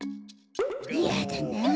やだなあ